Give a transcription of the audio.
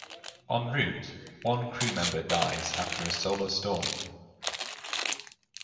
En route, one crew member dies after a solar storm.